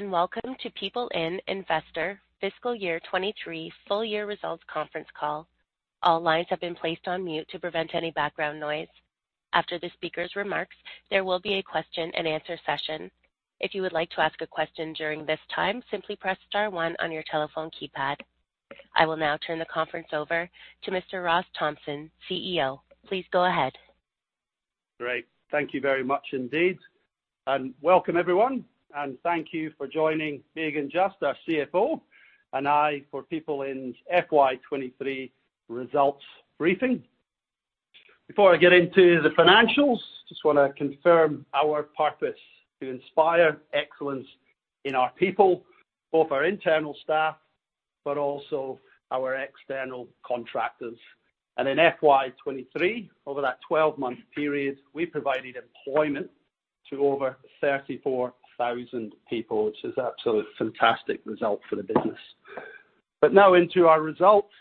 Welcome to PeopleIN Investor Fiscal Year 2023 Full Year Results Conference Call. All lines have been placed on mute to prevent any background noise. After the speaker's remarks, there will be a question-and-answer session. If you would like to ask a question during this time, simply press star one on your telephone keypad. I will now turn the conference over to Mr. Ross Thompson, CEO. Please go ahead. Great. Thank you very much indeed, and welcome everyone, and thank you for joining Megan Just, our CFO, and I for PeopleIN FY 2023 results briefing. Before I get into the financials, just want to confirm our purpose: to inspire excellence in our people, both our internal staff, but also our external contractors. In FY 2023, over that twelve-month period, we provided employment to over 34,000 people, which is absolutely fantastic result for the business. But now into our results,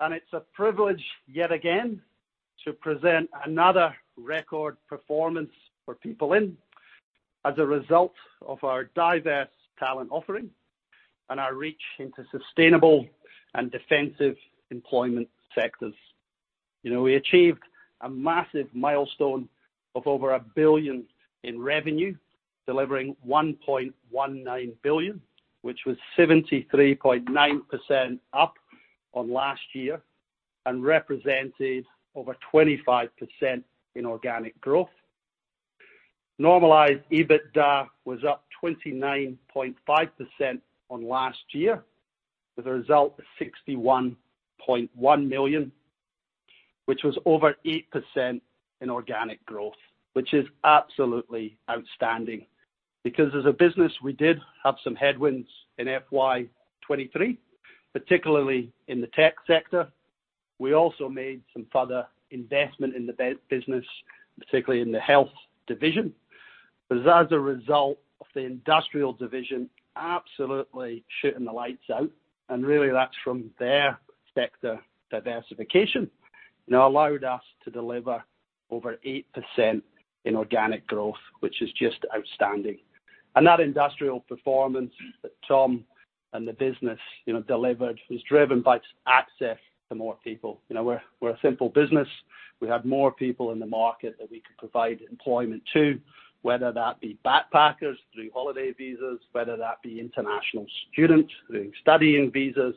and it's a privilege yet again, to present another record performance for PeopleIN as a result of our diverse talent offering and our reach into sustainable and defensive employment sectors. You know, we achieved a massive milestone of over 1 billion in revenue, delivering 1.19 billion, which was 73.9% up on last year and represented over 25% in organic growth. Normalized EBITDA was up 29.5% on last year, with a result of 61.1 million, which was over 8% in organic growth, which is absolutely outstanding. Because as a business, we did have some headwinds in FY 2023, particularly in the tech sector. We also made some further investment in the business, particularly in the health division. But as a result of the industrial division absolutely shooting the lights out, and really that's from their sector diversification, allowed us to deliver over 8% in organic growth, which is just outstanding. And that industrial performance that Tom and the business, you know, delivered was driven by access to more people. You know, we're a simple business. We have more people in the market that we can provide employment to, whether that be backpackers through holiday visas, whether that be international students through studying visas,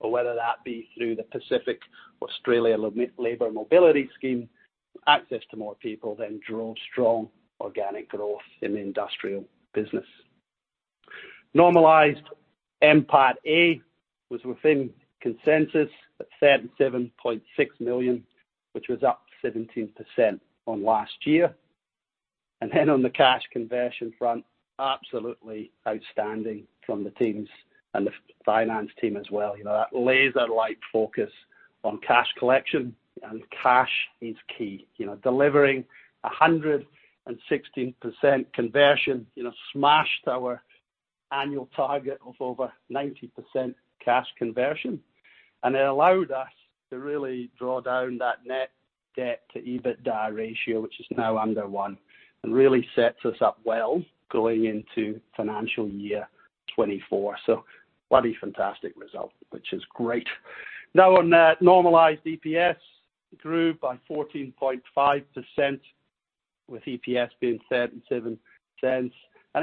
or whether that be through the Pacific Australia Labour Mobility Scheme. Access to more people then drove strong organic growth in the industrial business. Normalized NPATA was within consensus at 37.6 million, which was up 17% on last year. And then on the cash conversion front, absolutely outstanding from the teams and the finance team as well. You know, that laser-like focus on cash collection and cash is key. You know, delivering 116% conversion, you know, smashed our annual target of over 90% cash conversion, and it allowed us to really draw down that net debt to EBITDA ratio, which is now under 1, and really sets us up well going into financial year 2024. So bloody fantastic result, which is great. Now, on normalized EPS, grew by 14.5%, with EPS being 0.37. And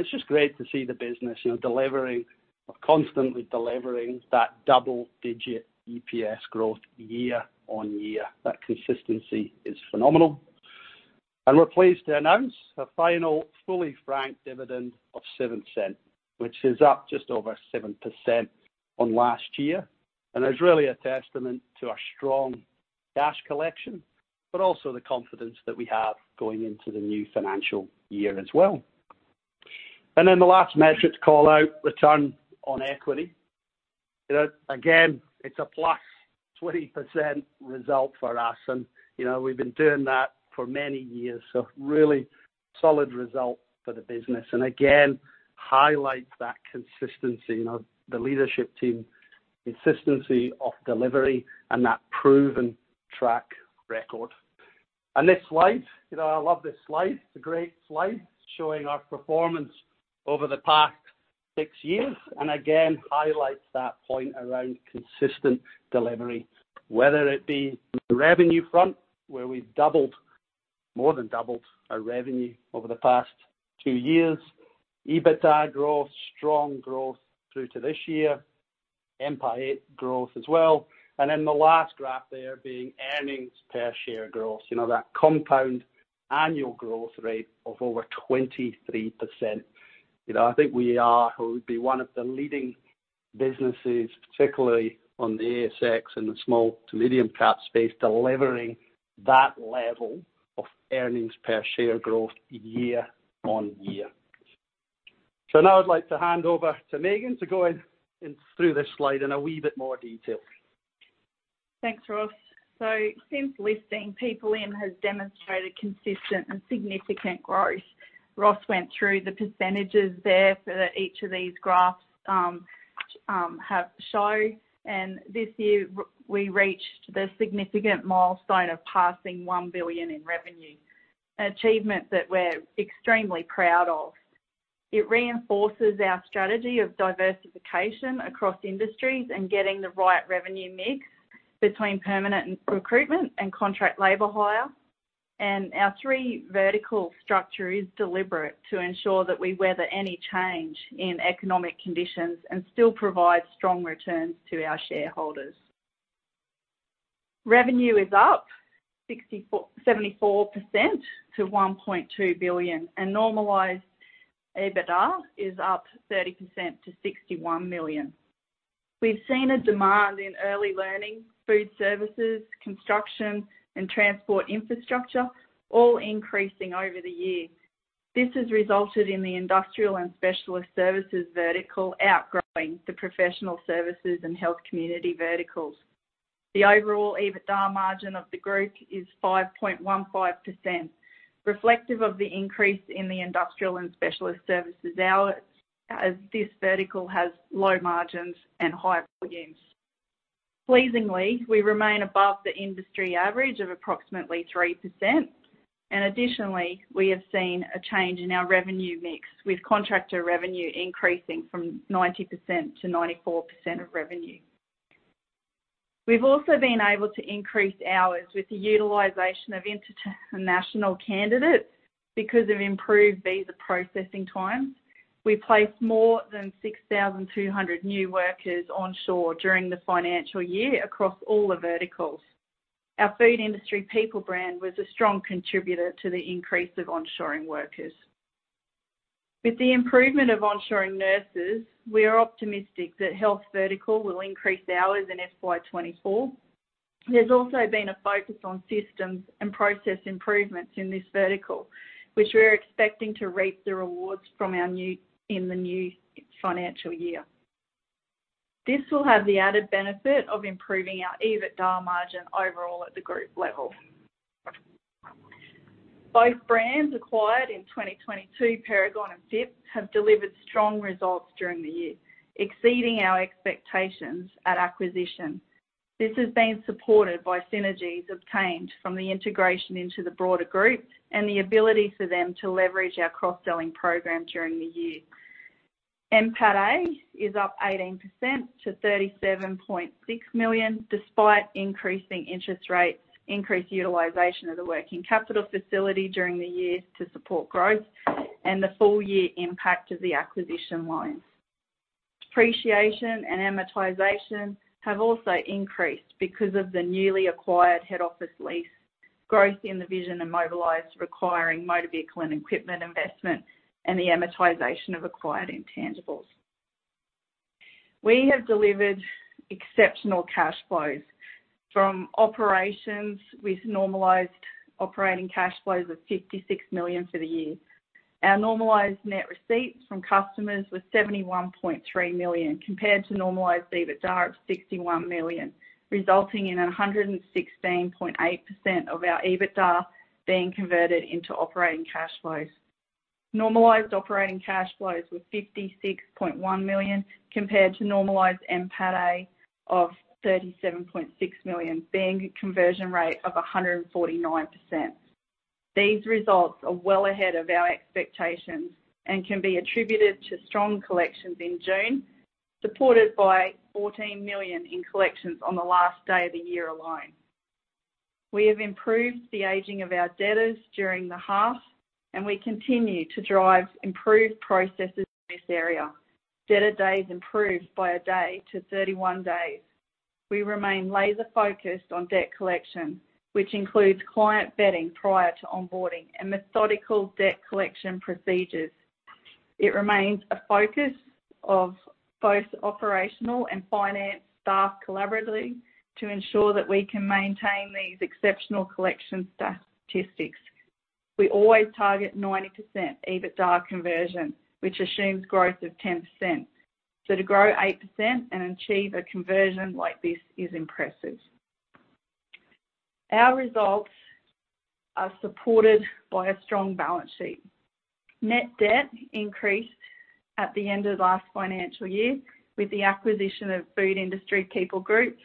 it's just great to see the business, you know, delivering or constantly delivering that double-digit EPS growth year-on-year. That consistency is phenomenal. And we're pleased to announce a final fully franked dividend of 0.07, which is up just over 7% on last year. And it's really a testament to our strong cash collection, but also the confidence that we have going into the new financial year as well. And then the last measure to call out, return on equity. You know, again, it's a plus 20% result for us, and, you know, we've been doing that for many years. So really solid result for the business. And again, highlights that consistency, you know, the leadership team, consistency of delivery and that proven track record. And this slide, you know, I love this slide. It's a great slide showing our performance over the past 6 years, and again, highlights that point around consistent delivery, whether it be the revenue front, where we've doubled, more than doubled our revenue over the past 2 years, EBITDA growth, strong growth through to this year, NPAT growth as well. And then the last graph there being earnings per share growth, you know, that compound annual growth rate of over 23%. You know, I think we are who would be one of the leading businesses, particularly on the ASX and the small to medium cap space, delivering that level of earnings per share growth year on year. So now I'd like to hand over to Megan to go in through this slide in a wee bit more detail. Thanks, Ross. So since listing, PeopleIN has demonstrated consistent and significant growth. Ross went through the percentages there for each of these graphs, have shown, and this year we reached the significant milestone of passing 1 billion in revenue, an achievement that we're extremely proud of. It reinforces our strategy of diversification across industries and getting the right revenue mix between permanent and recruitment and contract labour hire. Our three vertical structure is deliberate to ensure that we weather any change in economic conditions and still provide strong returns to our shareholders. Revenue is up 74% to 1.2 billion, and normalized EBITDA is up 30% to 61 million. We've seen a demand in early learning, food services, construction, and transport infrastructure, all increasing over the year. This has resulted in the industrial and specialist services vertical outgrowing the professional services and health community verticals. The overall EBITDA margin of the group is 5.15%, reflective of the increase in the industrial and specialist services hours, as this vertical has low margins and high volumes. Pleasingly, we remain above the industry average of approximately 3%, and additionally, we have seen a change in our revenue mix, with contractor revenue increasing from 90%-94% of revenue. We've also been able to increase hours with the utilization of international candidates because of improved visa processing times. We placed more than 6,200 new workers onshore during the financial year across all the verticals. Our Food Industry People brand was a strong contributor to the increase of onshoring workers. With the improvement of onshoring nurses, we are optimistic that health vertical will increase hours in FY 2024. There's also been a focus on systems and process improvements in this vertical, which we're expecting to reap the rewards from in the new financial year. This will have the added benefit of improving our EBITDA margin overall at the group level. Both brands acquired in 2022, Perigon and FIP Group have delivered strong results during the year, exceeding our expectations at acquisition. This has been supported by synergies obtained from the integration into the broader group and the ability for them to leverage our cross-selling program during the year. NPATA is up 18% to 37.6 million, despite increasing interest rates, increased utilization of the working capital facility during the year to support growth, and the full year impact of the acquisition loans. Depreciation and amortization have also increased because of the newly acquired head office lease, growth in the Vision and Mobilise requiring motor vehicle and equipment investment, and the amortization of acquired intangibles. We have delivered exceptional cash flows from operations with normalized operating cash flows of 56 million for the year. Our normalized net receipts from customers was 71.3 million, compared to normalized EBITDA of 61 million, resulting in 116.8% of our EBITDA being converted into operating cash flows. Normalized operating cash flows were 56.1 million, compared to normalized NPATA of 37.6 million, being a conversion rate of 149%. These results are well ahead of our expectations and can be attributed to strong collections in June, supported by 14 million in collections on the last day of the year alone. We have improved the aging of our debtors during the half, and we continue to drive improved processes in this area. Debtor days improved by a day to 31 days. We remain laser focused on debt collection, which includes client vetting prior to onboarding and methodical debt collection procedures. It remains a focus of both operational and finance staff collaboratively to ensure that we can maintain these exceptional collection statistics. We always target 90% EBITDA conversion, which assumes growth of 10%. So to grow 8% and achieve a conversion like this is impressive. Our results are supported by a strong balance sheet. Net debt increased at the end of last financial year with the acquisition of Food Industry People Group,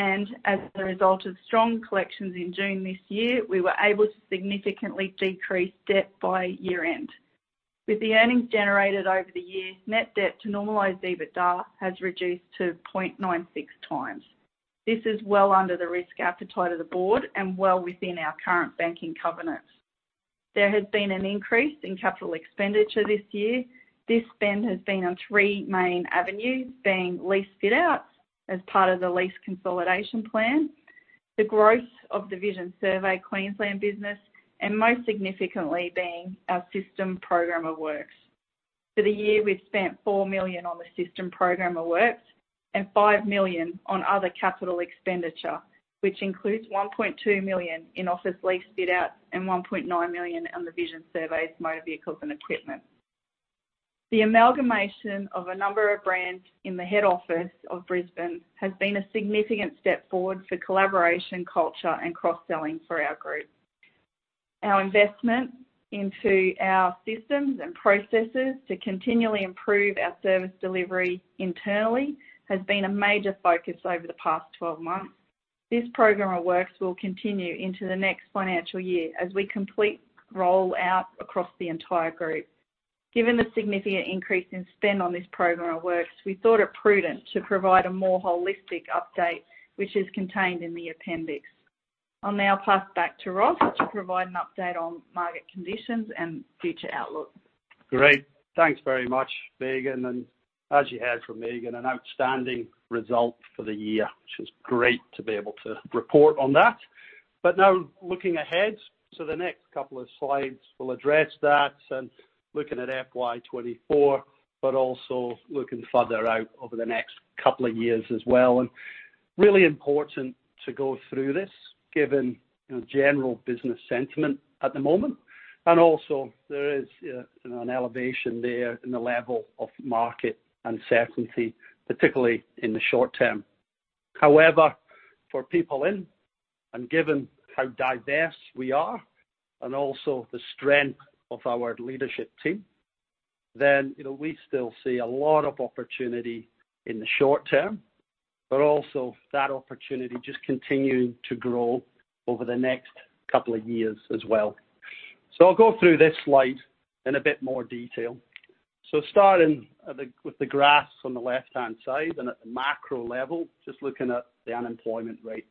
and as a result of strong collections in June this year, we were able to significantly decrease debt by year-end. With the earnings generated over the years, net debt to normalized EBITDA has reduced to 0.96 times. This is well under the risk appetite of the board and well within our current banking covenants. There has been an increase in capital expenditure this year. This spend has been on 3 main avenues, being lease fit-outs as part of the lease consolidation plan, the growth of the Vision Surveys Queensland business, and most significantly, being our Program Unite works. For the year, we've spent 4 million on the Program Unite works and 5 million on other capital expenditure, which includes 1.2 million in office lease fit-outs and 1.9 million on the Vision Surveys motor vehicles and equipment. The amalgamation of a number of brands in the head office of Brisbane has been a significant step forward for collaboration, culture, and cross-selling for our group... Our investment into our systems and processes to continually improve our service delivery internally, has been a major focus over the past 12 months. This program of works will continue into the next financial year as we complete roll out across the entire group. Given the significant increase in spend on this program of works, we thought it prudent to provide a more holistic update, which is contained in the appendix. I'll now pass back to Ross to provide an update on market conditions and future outlook. Great. Thanks very much, Megan, and as you heard from Megan, an outstanding result for the year, which is great to be able to report on that. But now, looking ahead, so the next couple of slides will address that and looking at FY 2024, but also looking further out over the next couple of years as well. And really important to go through this, given, you know, general business sentiment at the moment. And also there is an elevation there in the level of market uncertainty, particularly in the short term. However, for PeopleIN, and given how diverse we are and also the strength of our leadership team, then, you know, we still see a lot of opportunity in the short term, but also that opportunity just continuing to grow over the next couple of years as well. So I'll go through this slide in a bit more detail. So starting with the graphs on the left-hand side and at the macro level, just looking at the unemployment rate.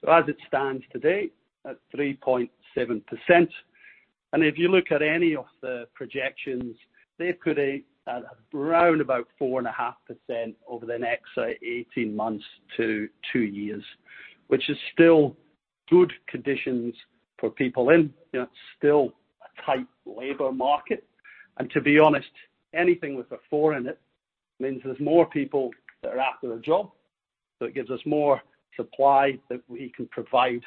So as it stands today, at 3.7%, and if you look at any of the projections, they've put it at around about 4.5% over the next 18 months to 2 years, which is still good conditions for PeopleIN, you know, still a tight labour market. And to be honest, anything with a four in it, means there's more people that are after a job, so it gives us more supply that we can provide,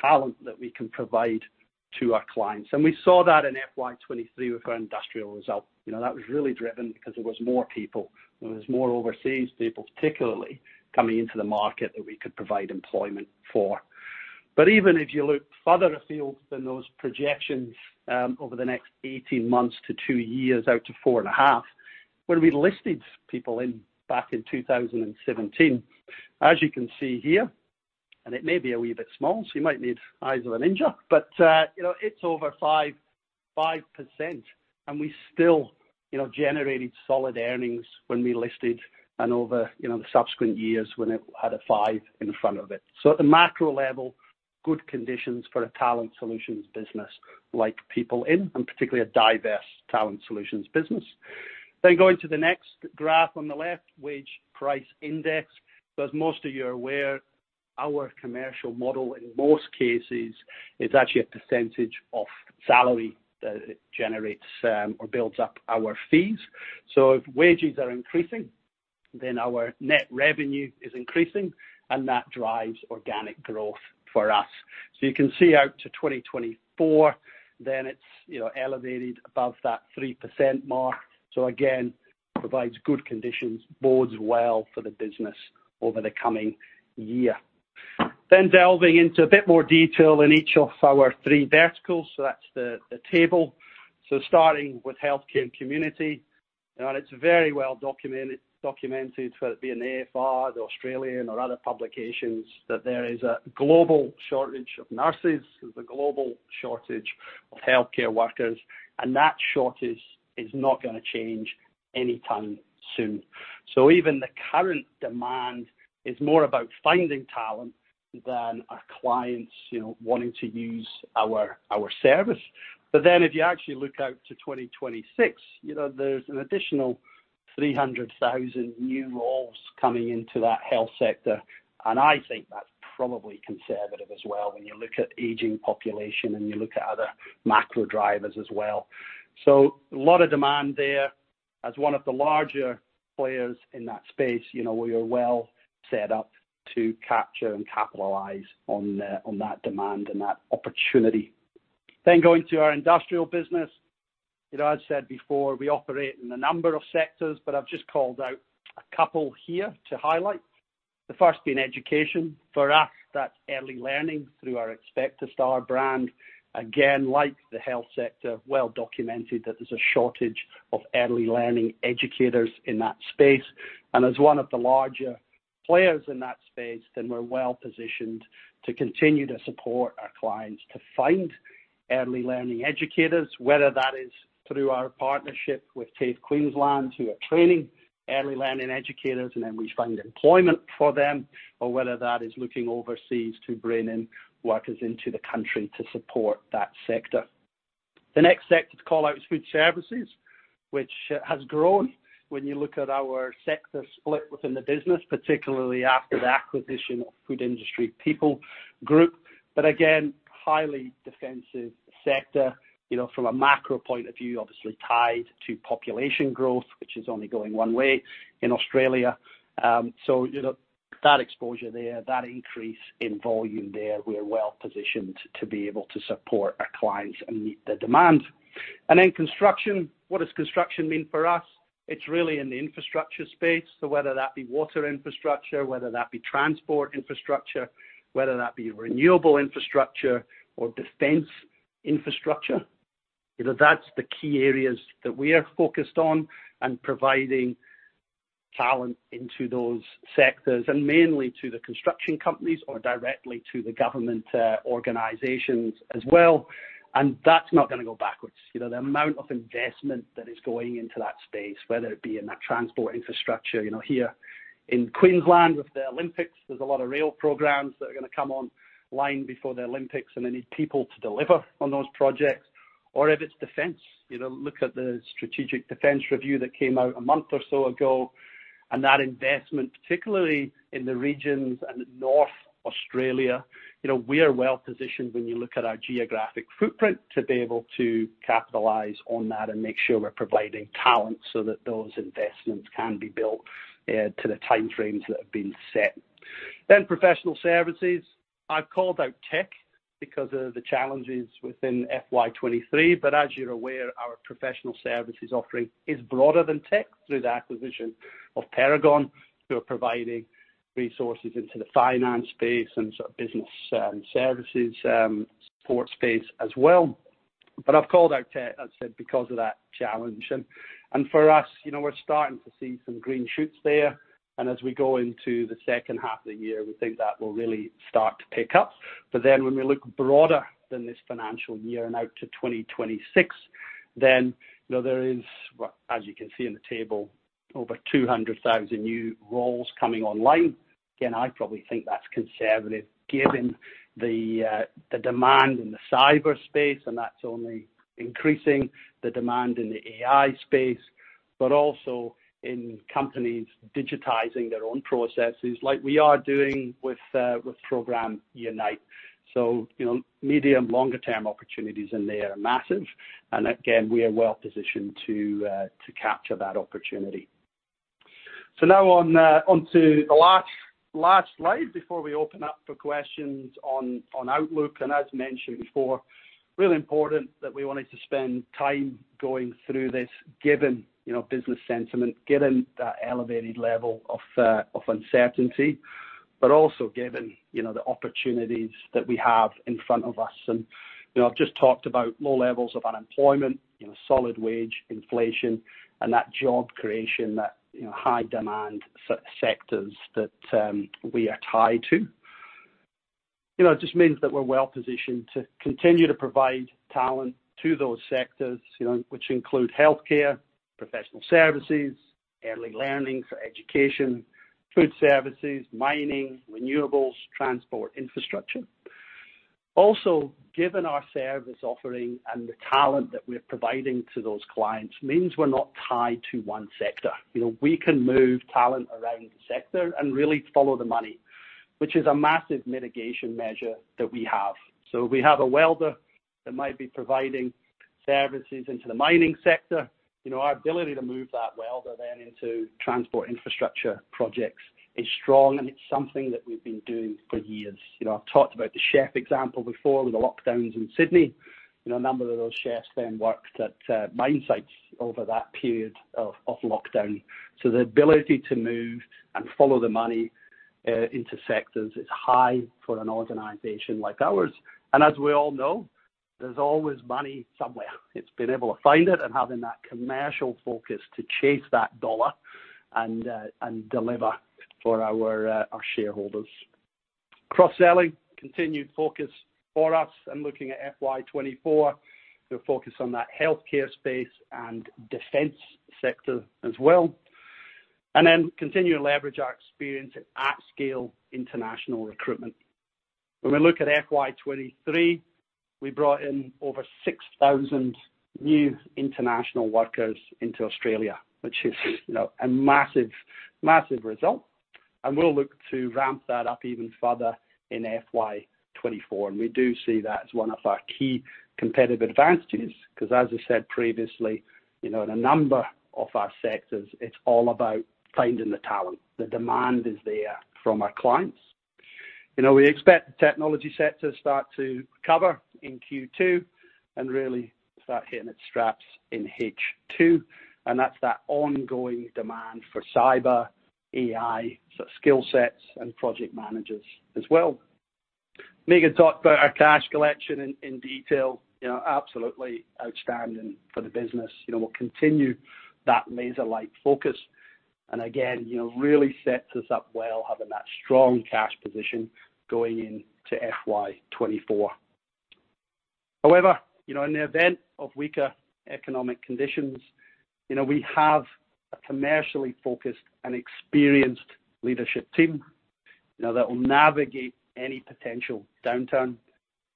talent that we can provide to our clients. And we saw that in FY 2023 with our industrial result. You know, that was really driven because there was more people, there was more overseas people, particularly, coming into the market that we could provide employment for. But even if you look further afield than those projections, over the next 18 months to 2 years, out to 4.5, when we listed PeopleIN back in 2017, as you can see here, and it may be a wee bit small, so you might need eyes of a ninja, but, you know, it's over 5.5%, and we still, you know, generated solid earnings when we listed and over, you know, the subsequent years when it had a five in front of it. So at the macro level, good conditions for a talent solutions business like PeopleIN, and particularly a diverse talent solutions business. Then going to the next graph on the left, wage price index. So as most of you are aware, our commercial model, in most cases, is actually a percentage of salary that it generates or builds up our fees. So if wages are increasing, then our net revenue is increasing, and that drives organic growth for us. So you can see out to 2024, then it's, you know, elevated above that 3% mark. So again, provides good conditions, bodes well for the business over the coming year. Then delving into a bit more detail in each of our three verticals, so that's the table. So starting with healthcare and community, and it's very well documented whether it be in the AFR, the Australian or other publications, that there is a global shortage of nurses. There's a global shortage of healthcare workers, and that shortage is not gonna change anytime soon. So even the current demand is more about finding talent than our clients, you know, wanting to use our, our service. But then if you actually look out to 2026, you know, there's an additional 300,000 new roles coming into that health sector, and I think that's probably conservative as well, when you look at aging population, and you look at other macro drivers as well. So a lot of demand there. As one of the larger players in that space, you know, we are well set up to capture and capitalize on the, on that demand and that opportunity. Then going to our industrial business. You know, as I said before, we operate in a number of sectors, but I've just called out a couple here to highlight. The first being education. For us, that's early learning through our Expect A Star brand. Again, like the health sector, well documented, that there's a shortage of early learning educators in that space. And as one of the larger players in that space, then we're well positioned to continue to support our clients to find early learning educators, whether that is through our partnership with TAFE Queensland, who are training early learning educators, and then we find employment for them, or whether that is looking overseas to bring in workers into the country to support that sector. The next sector to call out is food services, which has grown when you look at our sector split within the business, particularly after the acquisition of Food Industry People Group. But again, highly defensive sector, you know, from a macro point of view, obviously tied to population growth, which is only going one way in Australia. So, you know, that exposure there, that increase in volume there, we are well positioned to be able to support our clients and meet the demand. And then construction, what does construction mean for us? It's really in the infrastructure space. So whether that be water infrastructure, whether that be transport infrastructure, whether that be renewable infrastructure or defense infrastructure, you know, that's the key areas that we are focused on and providing talent into those sectors, and mainly to the construction companies or directly to the government organizations as well. And that's not gonna go backwards. You know, the amount of investment that is going into that space, whether it be in that transport infrastructure, you know, here in Queensland, with the Olympics, there's a lot of rail programs that are gonna come online before the Olympics, and they need people to deliver on those projects. Or if it's defense, you know, look at theDefence Strategic Review that came out a month or so ago, and that investment, particularly in the regions and North Australia, you know, we are well-positioned when you look at our geographic footprint, to be able to capitalize on that and make sure we're providing talent so that those investments can be built, to the time frames that have been set. Then professional services. I've called out tech because of the challenges within FY 2023, but as you're aware, our professional services offering is broader than tech through the acquisition of Perigon who are providing resources into the finance space and sort of business, services, support space as well. But I've called out tech, I said, because of that challenge. And for us, you know, we're starting to see some green shoots there, and as we go into the second half of the year, we think that will really start to pick up. But then when we look broader than this financial year and out to 2026, then, you know, there is, well, as you can see in the table, over 200,000 new roles coming online. Again, I probably think that's conservative, given the, the demand in the cyber space, and that's only increasing the demand in the AI space, but also in companies digitizing their own processes, like we are doing with, with Program Unite. So, you know, medium, longer term opportunities in there are massive, and again, we are well positioned to, to capture that opportunity. So now on, onto the last, last slide before we open up for questions on, on outlook. And as mentioned before, really important that we wanted to spend time going through this, given, you know, business sentiment, given that elevated level of, of uncertainty, but also given, you know, the opportunities that we have in front of us. You know, I've just talked about low levels of unemployment, you know, solid wage inflation and that job creation that, you know, high demand sectors that we are tied to. You know, it just means that we're well positioned to continue to provide talent to those sectors, you know, which include healthcare, professional services, early learning for education, food services, mining, renewables, transport infrastructure. Also, given our service offering and the talent that we're providing to those clients, means we're not tied to one sector. You know, we can move talent around the sector and really follow the money, which is a massive mitigation measure that we have. So if we have a welder that might be providing services into the mining sector, you know, our ability to move that welder then into transport infrastructure projects is strong, and it's something that we've been doing for years. You know, I've talked about the chef example before with the lockdowns in Sydney. You know, a number of those chefs then worked at mine sites over that period of lockdown. So the ability to move and follow the money into sectors is high for an organization like ours. And as we all know, there's always money somewhere. It's been able to find it and having that commercial focus to chase that dollar and deliver for our shareholders. Cross-selling, continued focus for us and looking at FY 2024, we're focused on that healthcare space and defense sector as well, and then continue to leverage our experience at scale international recruitment. When we look at FY 2023, we brought in over 6,000 new international workers into Australia, which is, you know, a massive, massive result, and we'll look to ramp that up even further in FY 2024. We do see that as one of our key competitive advantages, 'cause as I said previously, you know, in a number of our sectors, it's all about finding the talent. The demand is there from our clients. You know, we expect the technology sector to start to recover in Q2 and really start hitting its straps in H2, and that's that ongoing demand for cyber, AI, so skill sets and project managers as well. Megan talked about our cash collection in detail, you know, absolutely outstanding for the business. You know, we'll continue that laser-like focus. And again, you know, really sets us up well, having that strong cash position going into FY 2024. However, you know, in the event of weaker economic conditions, you know, we have a commercially focused and experienced leadership team, you know, that will navigate any potential downturn.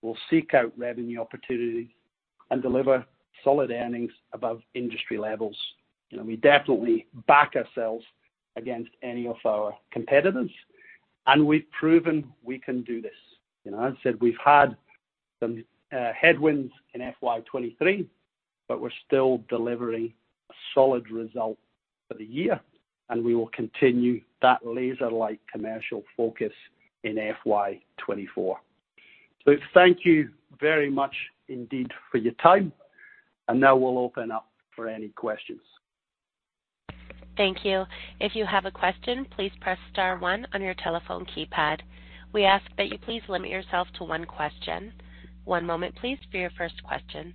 We'll seek out revenue opportunities and deliver solid earnings above industry levels. You know, we definitely back ourselves against any of our competitors, and we've proven we can do this. You know, as I said, we've had some headwinds in FY 2023, but we're still delivering solid result for the year, and we will continue that laser-like commercial focus in FY 2024. So thank you very much indeed for your time, and now we'll open up for any questions. Thank you. If you have a question, please press star one on your telephone keypad. We ask that you please limit yourself to one question. One moment, please, for your first question.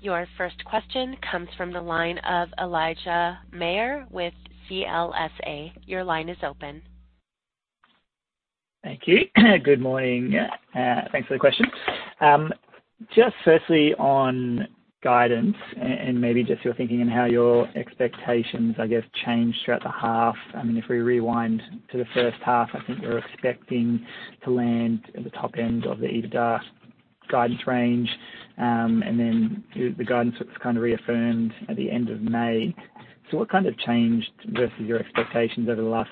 Your first question comes from the line of Elijah Mayr with CLSA. Your line is open. Thank you. Good morning, thanks for the question. Just firstly, on guidance and maybe just your thinking and how your expectations, I guess, changed throughout the half. I mean, if we rewind to the first half, I think you were expecting to land at the top end of the EBITDA guidance range, and then the guidance was kind of reaffirmed at the end of May. So what kind of changed versus your expectations over the last,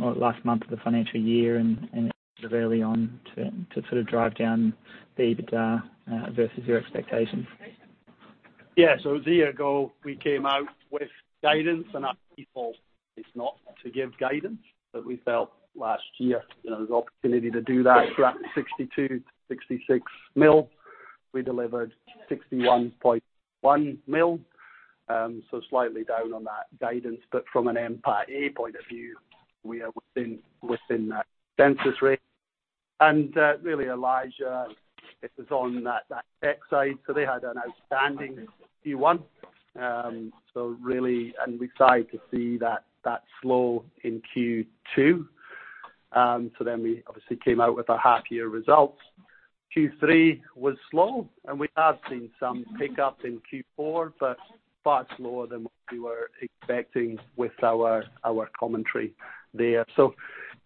well, last month of the financial year and early on to sort of drive down the EBITDA versus your expectations? Yeah. So a year ago, we came out with guidance, and our default is not to give guidance, but we felt last year, you know, there was an opportunity to do that. Throughout 62 million-66 million, we delivered 61.1 million, so slightly down on that guidance. But from an EBITDA point of view, we are within that consensus range. And really, Elijah, this is on that tech side. So they had an outstanding Q1. So really and we're excited to see that slowdown in Q2. So then we obviously came out with our half-year results. Q3 was slow, and we have seen some pickup in Q4, but far slower than what we were expecting with our commentary there. So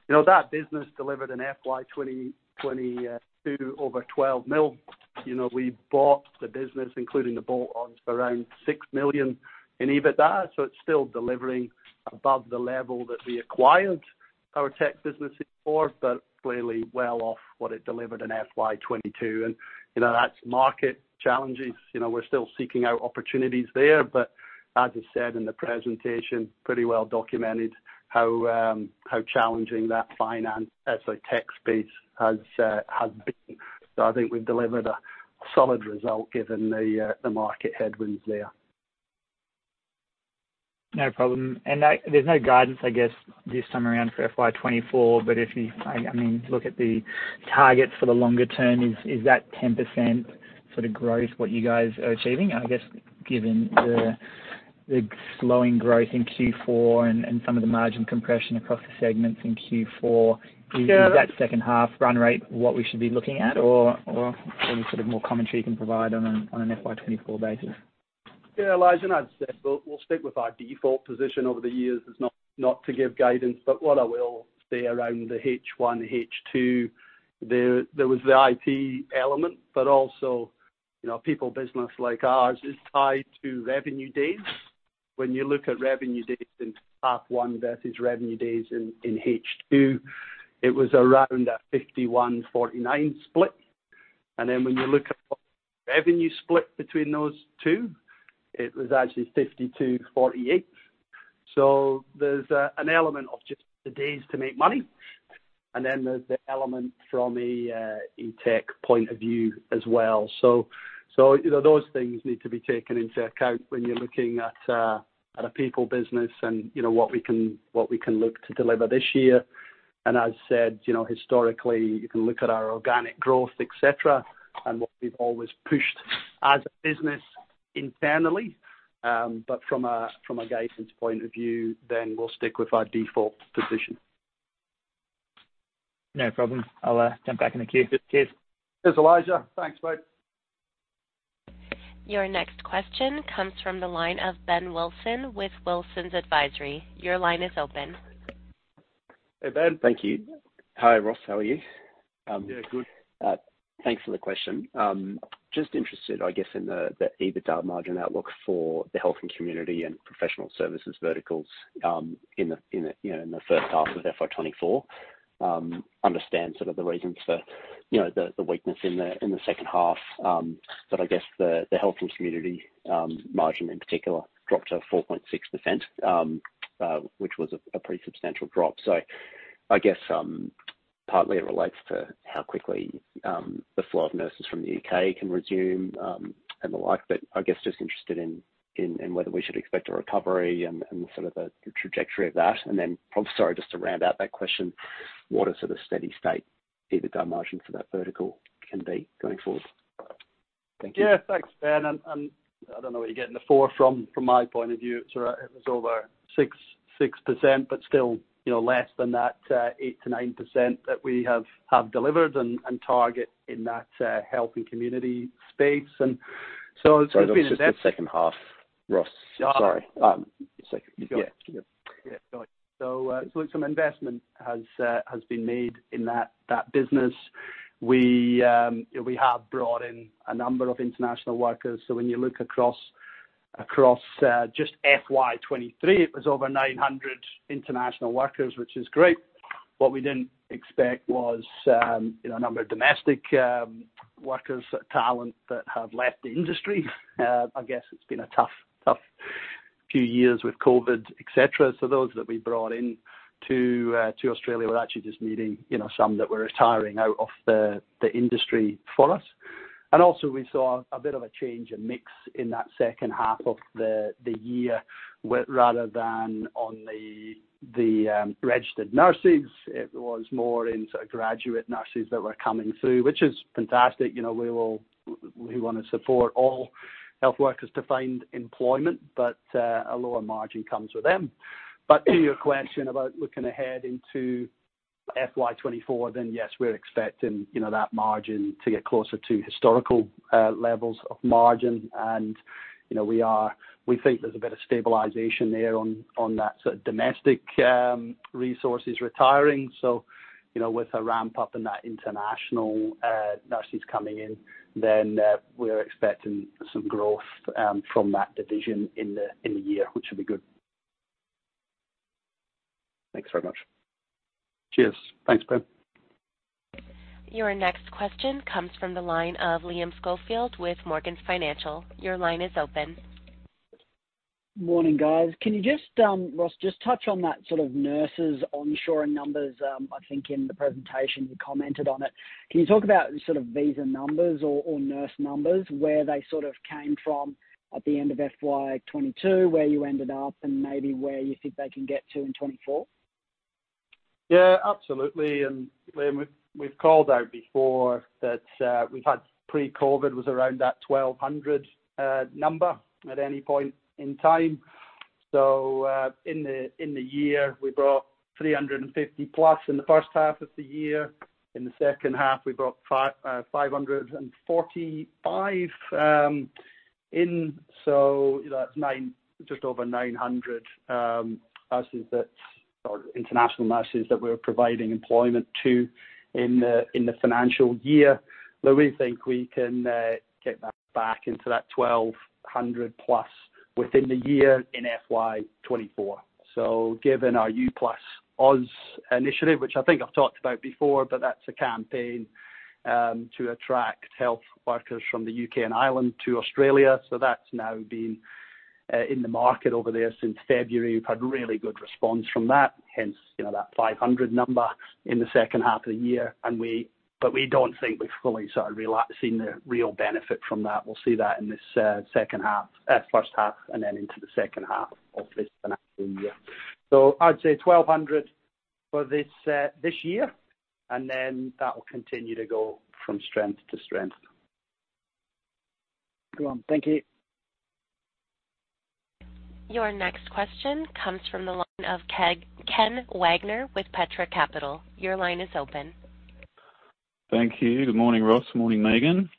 you know, that business delivered an FY 2022 of 12 million. You know, we bought the business, including the bolt-ons, for around 6 million in EBITDA, so it's still delivering above the level that we acquired our tech business for, but clearly well off what it delivered in FY 2022. You know, that's market challenges. You know, we're still seeking out opportunities there, but as I said in the presentation, pretty well documented how challenging that fintech space has been. So I think we've delivered a solid result given the market headwinds there. No problem. There's no guidance, I guess, this time around for FY 2024, but if you, I mean, look at the targets for the longer term, is that 10% sort of growth what you guys are achieving? I guess, given the slowing growth in Q4 and some of the margin compression across the segments in Q4- Yeah. Is that second half run rate, what we should be looking at, or any sort of more commentary you can provide on an FY 2024 basis? Yeah, Elijah, and I've said, we'll stick with our default position over the years is not to give guidance, but what I will say around the H1, H2, there was the IT element, but also, you know, people business like ours is tied to revenue days. When you look at revenue days in half one versus revenue days in H2, it was around a 51-49 split. And then when you look at the revenue split between those two, it was actually 52-48. So there's an element of just the days to make money, and then there's the element from a tech point of view as well. So, you know, those things need to be taken into account when you're looking at a people business and, you know, what we can look to deliver this year. As I said, you know, historically, you can look at our organic growth, et cetera, and what we've always pushed as a business internally, but from a guidance point of view, then we'll stick with our default position. No problem. I'll jump back in the queue. Cheers. Cheers, Elijah. Thanks, mate. Your next question comes from the line of Ben Wilson with Wilsons Advisory. Your line is open. Hey, Ben. Thank you. Hi, Ross. How are you? Yeah, good. Thanks for the question. Just interested, I guess, in the EBITDA margin outlook for the health and community and professional services verticals, you know, in the first half of FY 2024. Understand sort of the reasons for, you know, the weakness in the second half, but I guess the health and community margin in particular dropped to 4.6%, which was a pretty substantial drop. So I guess, partly it relates to how quickly the flow of nurses from the U.K. can resume, and the like, but I guess just interested in whether we should expect a recovery and sort of the trajectory of that. And then, sorry, just to round out that question, what a sort of steady state EBITDA margin for that vertical can be going forward? Thank you. Yeah, thanks, Ben. I don't know where you're getting the 4 from. From my point of view, it's around. It was over 6.6%, but still, you know, less than that 8%-9% that we have delivered and target in that health and community space. So it's been- Sorry, just the second half, Ross. Sorry. Second. Yeah. Yeah. So, some investment has been made in that business. We have brought in a number of international workers. So when you look across, just FY 2023, it was over 900 international workers, which is great... What we didn't expect was, you know, a number of domestic workers, talent that have left the industry. I guess it's been a tough few years with COVID, et cetera. So those that we brought in to Australia, were actually just needing, you know, some that were retiring out of the industry for us. And also we saw a bit of a change in mix in that second half of the year, rather than on the registered nurses, it was more in sort of graduate nurses that were coming through, which is fantastic. You know, we wanna support all health workers to find employment, but a lower margin comes with them. But to your question about looking ahead into FY 2024, then yes, we're expecting, you know, that margin to get closer to historical levels of margin. And, you know, we think there's a bit of stabilization there on that sort of domestic resources retiring. So, you know, with a ramp-up in that international nurses coming in, then we're expecting some growth from that division in the year, which will be good. Thanks very much. Cheers. Thanks, Ben. Your next question comes from the line of Liam Schofield with Morgans Financial. Your line is open. Morning, guys. Can you just, Ross, just touch on that sort of nurses onshoring numbers? I think in the presentation you commented on it. Can you talk about the sort of visa numbers or, or nurse numbers, where they sort of came from at the end of FY 2022, where you ended up, and maybe where you think they can get to in 2024? Yeah, absolutely. And Liam, we've called out before that we've had pre-COVID was around that 1,200 number at any point in time. So in the year, we brought 350+ in the first half of the year. In the second half, we brought 545 in, so that's just over 900 nurses that, or international nurses, that we're providing employment to in the financial year. But we think we can get that back into that 1,200+ within the year in FY 2024. So given our You+Aus initiative, which I think I've talked about before, but that's a campaign to attract health workers from the U.K. and Ireland to Australia. So that's now been in the market over there since February. We've had really good response from that, hence, you know, that 500 number in the second half of the year. But we don't think we've fully sort of realized, seen the real benefit from that. We'll see that in this second half, first half and then into the second half of this financial year. So I'd say 1,200 for this this year, and then that will continue to go from strength to strength. Go on. Thank you. Your next question comes from the line of Ken Wagner with Petra Capital. Your line is open. Thank you. Good morning, Ross. Morning, Megan.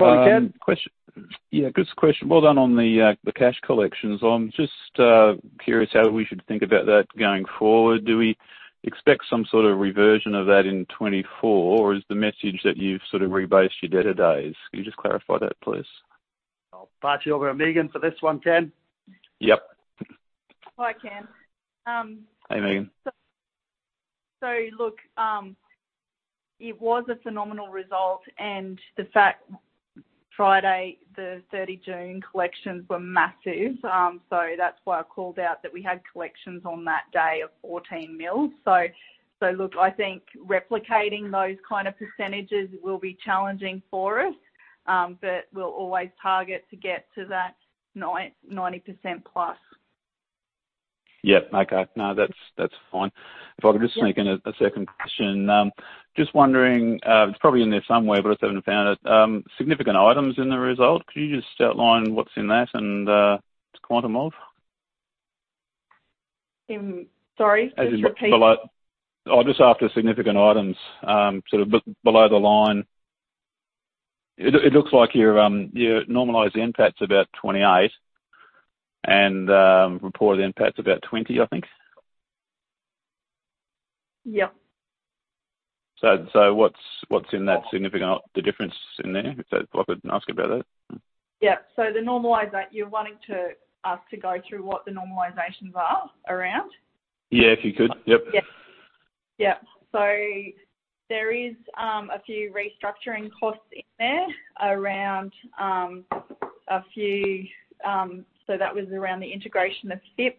Morning, Ken. Question. Yeah, good question. Well done on the cash collections. I'm just curious how we should think about that going forward. Do we expect some sort of reversion of that in 2024, or is the message that you've sort of rebased your debtor days? Can you just clarify that, please? I'll pass you over to Megan for this one, Ken. Yep. Hi, Ken, Hey, Megan. So look, it was a phenomenal result, and the fact Friday, 30 June collections were massive. So that's why I called out that we had collections on that day of 14 million. So look, I think replicating those kind of percentages will be challenging for us, but we'll always target to get to that 90% plus. Yeah, okay. No, that's, that's fine. If I could just sneak in a, a second question. Just wondering, it's probably in there somewhere, but I just haven't found it, significant items in the result. Could you just outline what's in that and, the quantum of? Sorry, could you repeat? Below. I'll just after the significant items, sort of below the line. It looks like your normalized NPAT's about 28 and reported NPAT's about 20, I think. Yeah. So, what's in that significant, the difference in there? If that—I could ask about that? Yeah. So the normalized that, you're wanting to ask to go through what the normalizations are around? Yeah, if you could. Yep. Yeah. Yeah. So there is a few restructuring costs in there around a few... So that was around the integration of FIP,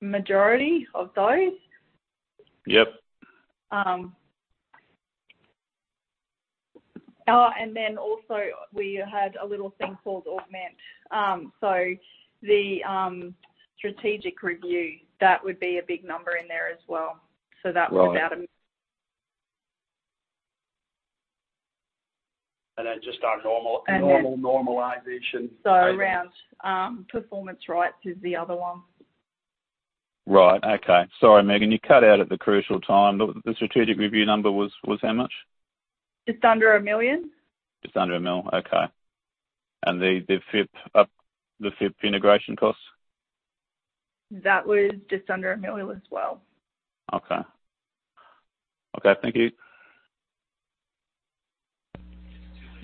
majority of those. Yep. Oh, and then also we had a little thing called Impairment. So the strategic review, that would be a big number in there as well. Right. So that was about a- And then, just our normal- And then- Normal normalization. So around, performance rights is the other one. Right. Okay. Sorry, Megan, you cut out at the crucial time. The strategic review number was how much? Just under 1 million. Just under 1 million, okay. And the FIP integration costs? That was just under 1 million as well. Okay. Okay, thank you. ...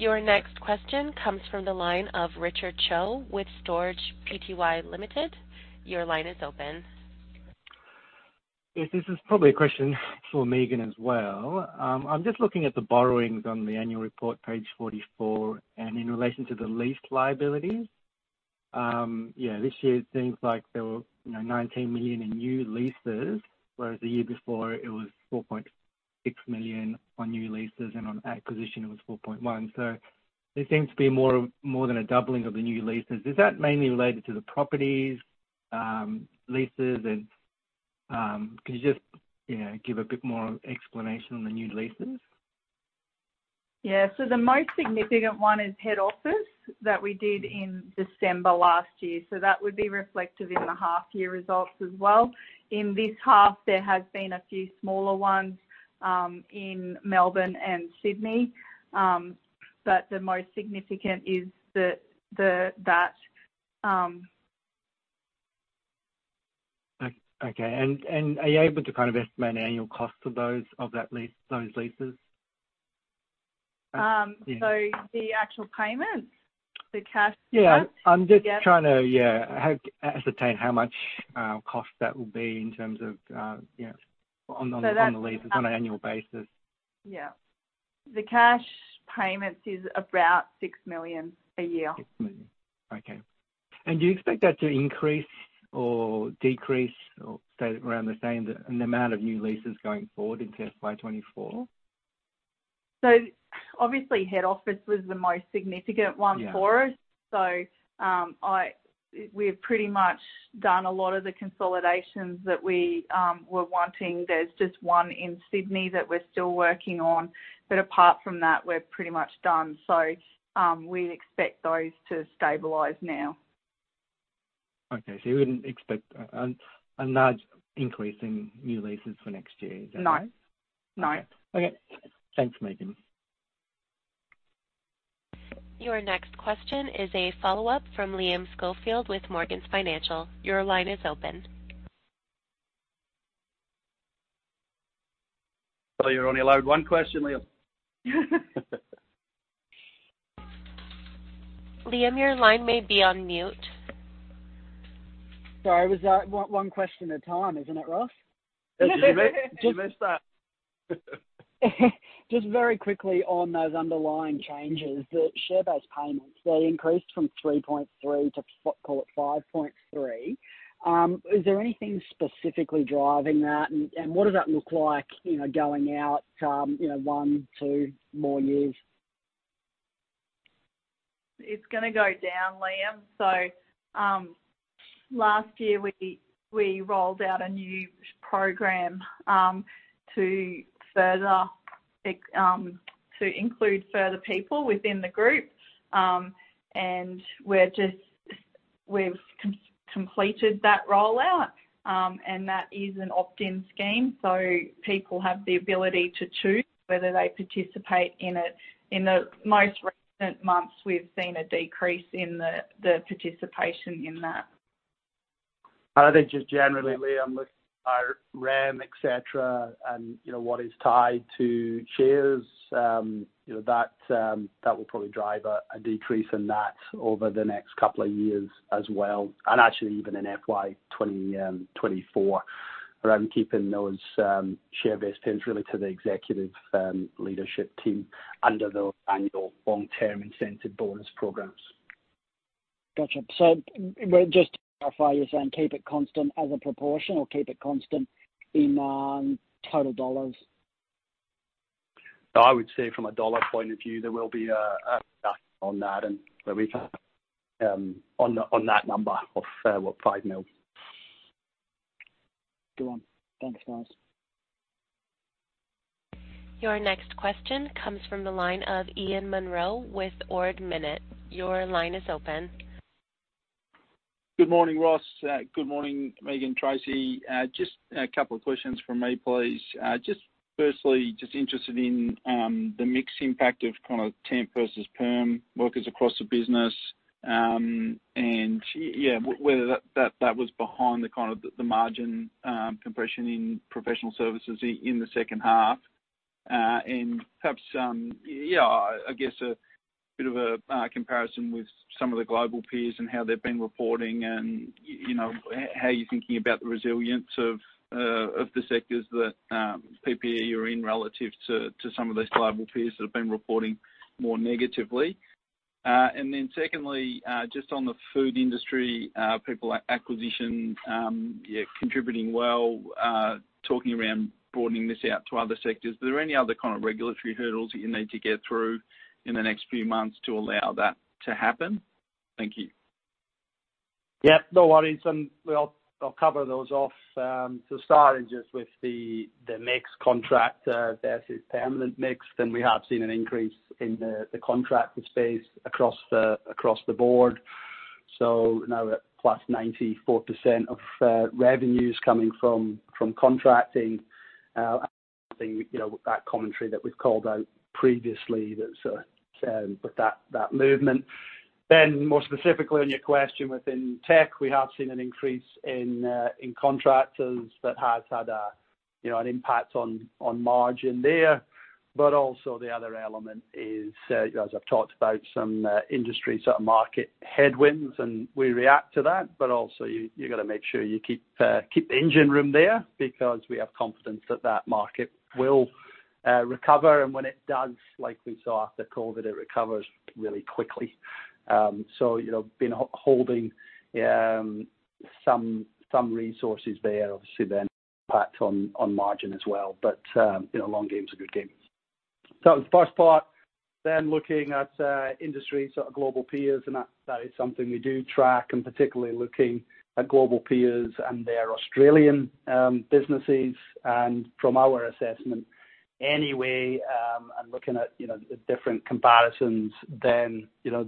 Your next question comes from the line of Richard Cho with Storage Pty Limited. Your line is open. Yes, this is probably a question for Megan as well. I'm just looking at the borrowings on the annual report, page 44, and in relation to the lease liabilities. Yeah, this year it seems like there were, you know, 19 million in new leases, whereas the year before it was 4.6 million on new leases, and on acquisition it was 4.1. So there seems to be more, more than a doubling of the new leases. Is that mainly related to the properties, leases? And, can you just, you know, give a bit more explanation on the new leases? Yeah. So the most significant one is head office that we did in December last year, so that would be reflective in the half year results as well. In this half, there has been a few smaller ones in Melbourne and Sydney. But the most significant is that. Okay, and are you able to kind of estimate an annual cost of those, of that lease, those leases? Um, so- Yeah. the actual payments, the cash? Yeah. Yeah. I'm just trying to, yeah, ascertain how much cost that will be in terms of, yeah, on, on- So that- on the leases, on an annual basis. Yeah. The cash payments is about 6 million a year. 6 million. Okay. And do you expect that to increase or decrease, or stay around the same, in the amount of new leases going forward into FY 2024? Obviously, head office was the most significant one for us. Yeah. So, we've pretty much done a lot of the consolidations that we were wanting. There's just one in Sydney that we're still working on, but apart from that, we're pretty much done. So, we expect those to stabilize now. Okay. So you wouldn't expect a large increase in new leases for next year? Is that- No, no. Okay. Thanks, Megan. Your next question is a follow-up from Liam Schofield with Morgans Financial. Your line is open. You're only allowed one question, Liam. Liam, your line may be on mute. Sorry, it was one question at a time, isn't it, Ross? You missed that. Just very quickly on those underlying changes, the share-based payments, they increased from 3.3 to, call it, 5.3. Is there anything specifically driving that? And what does that look like, you know, going out, you know, 1, 2 more years? It's gonna go down, Liam. So, last year, we rolled out a new program to further include further people within the group. And we've completed that rollout, and that is an opt-in scheme, so people have the ability to choose whether they participate in it. In the most recent months, we've seen a decrease in the participation in that. I think just generally, Liam, with our REM, et cetera, and you know, what is tied to shares, you know, that will probably drive a decrease in that over the next couple of years as well, and actually even in FY 2024. But I'm keeping those share-based terms really to the executive leadership team under those annual long-term incentive bonus programs. Gotcha. So just to clarify, you're saying keep it constant as a proportion or keep it constant in total dollars? I would say from a dollar point of view, there will be on that and where we can on the on that number of 5 million. Good one. Thanks, guys. Your next question comes from the line of Ian Munro with Ord Minnett. Your line is open. Good morning, Ross. Good morning, Megan, Tracy. Just a couple of questions from me, please. Just firstly, just interested in the mixed impact of kind of temp versus perm workers across the business. And yeah, whether that, that, that was behind the kind of the margin compression in professional services in the second half. And perhaps, yeah, I guess a bit of a comparison with some of the global peers and how they've been reporting and, you know, how are you thinking about the resilience of the sectors that PPE are in relative to some of those global peers that have been reporting more negatively? And then secondly, just on the food industry people acquisition, yeah, contributing well, talking around broadening this out to other sectors. Are there any other kind of regulatory hurdles that you need to get through in the next few months to allow that to happen? Thank you. Yeah, no worries, and well, I'll cover those off. To start just with the mixed contract versus permanent mix, then we have seen an increase in the contract space across the board. So now we're at +94% of revenues coming from contracting. You know, that commentary that we've called out previously, that's but that movement. Then more specifically on your question, within tech, we have seen an increase in contractors that has had a you know, an impact on margin there. But also the other element is as I've talked about some industry sort of market headwinds, and we react to that, but also you gotta make sure you keep the engine room there because we have confidence that that market will recover. And when it does, like we saw after COVID, it recovers really quickly. So, you know, been holding some resources there, obviously, then impact on margin as well. But, you know, long game is a good game. So the first part, then looking at industry, sort of global peers, and that is something we do track, and particularly looking at global peers and their Australian businesses. And from our assessment anyway, and looking at, you know, the different comparisons, then, you know,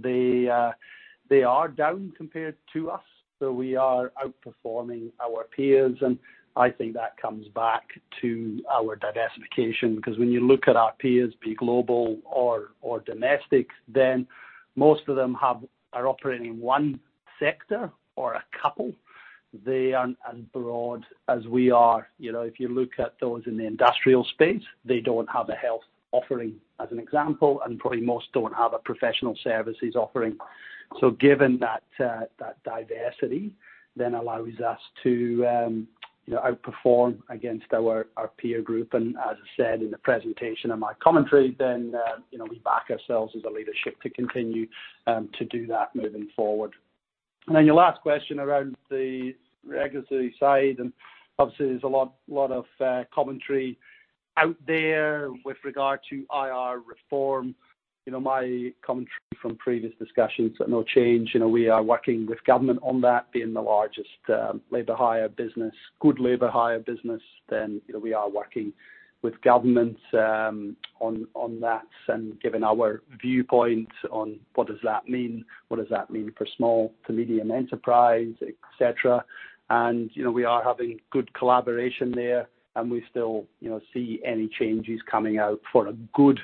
they are down compared to us, so we are outperforming our peers. And I think that comes back to our diversification, because when you look at our peers, be it global or domestic, then most of them are operating in one sector or a couple. They aren't as broad as we are. You know, if you look at those in the industrial space, they don't have a health offering, as an example, and probably most don't have a professional services offering. So given that, that diversity then allows us to, you know, outperform against our peer group. And as I said in the presentation and my commentary, then, you know, we back ourselves as a leadership to continue, to do that moving forward. And then your last question around the regulatory side, and obviously there's a lot of commentary out there with regard to IR reform. You know, my commentary from previous discussions are no change. You know, we are working with government on that, being the largest labour hire business, good labour hire business, then, you know, we are working with government on that and giving our viewpoint on what does that mean, what does that mean for small to medium enterprise, et cetera. And, you know, we are having good collaboration there, and we still, you know, see any changes coming out. For a good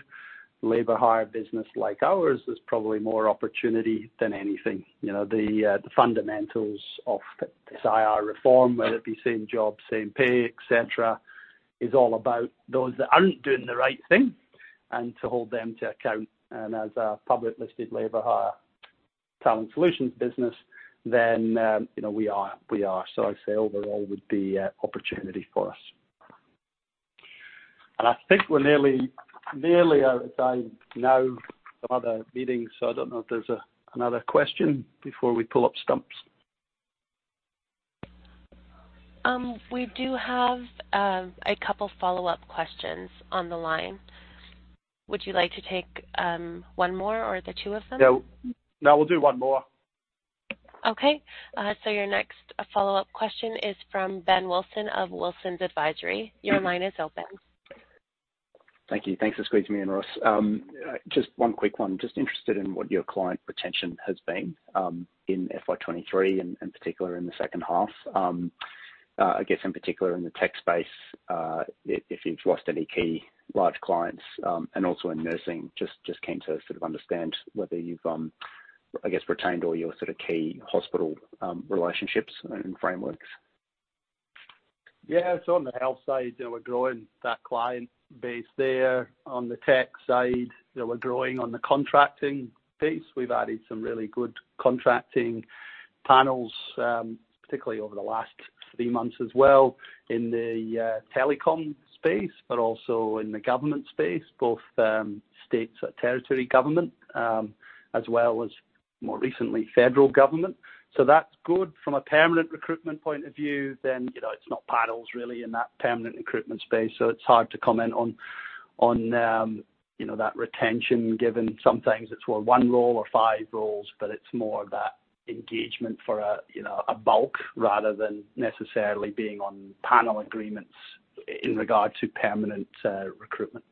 labour hire business like ours, there's probably more opportunity than anything. You know, the fundamentals of this IR reform, whether it be same job, same pay, et cetera, is all about those that aren't doing the right thing and to hold them to account. And as a public-listed labor hire talent solutions business, then, you know, we are. So I'd say overall would be opportunity for us. I think we're nearly, nearly out of time now for other meetings, so I don't know if there's another question before we pull up stumps. We do have a couple follow-up questions on the line. Would you like to take one more or the two of them? No. No, we'll do one more. Okay. So your next follow-up question is from Ben Wilson of Wilson's Advisory. Your line is open. Thank you. Thanks for squeezing me in, Ross. Just one quick one. Just interested in what your client retention has been, in FY 2023 and, and particularly in the second half. I guess in particular in the tech space, if, if you've lost any key large clients, and also in nursing, just, just keen to sort of understand whether you've, I guess, retained all your sort of key hospital relationships and frameworks. Yeah, so on the health side, you know, we're growing that client base there. On the tech side, you know, we're growing on the contracting piece. We've added some really good contracting panels, particularly over the last three months as well in the telecom space, but also in the government space, both states or territory government, as well as more recently, federal government. So that's good. From a permanent recruitment point of view, then, you know, it's not panels really in that permanent recruitment space, so it's hard to comment on you know, that retention, given sometimes it's for one role or five roles, but it's more of that engagement for a you know, a bulk rather than necessarily being on panel agreements in regard to permanent recruitment.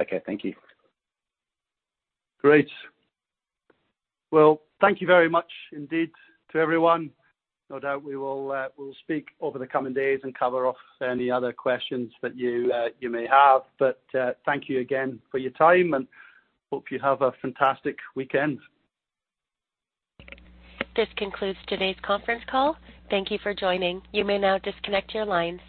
Okay, thank you. Great. Well, thank you very much indeed to everyone. No doubt we will, we'll speak over the coming days and cover off any other questions that you may have. But, thank you again for your time, and hope you have a fantastic weekend. This concludes today's conference call. Thank you for joining. You may now disconnect your lines.